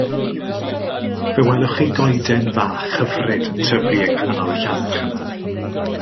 Fe welwch chi goeden fach hyfryd yn tyfu yng nghanol y llannerch yna.